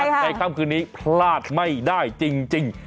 ในค่ำคืนนี้พลาดไม่ได้จริง